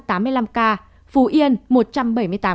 phú yên một trăm bảy mươi tám ca